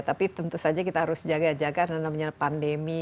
tapi tentu saja kita harus jaga jaga karena namanya pandemi